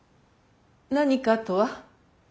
「何か」とは？